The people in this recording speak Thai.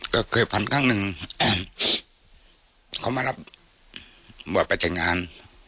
ก็เคยพันครั้งนึงเขามารับบทประจำงาน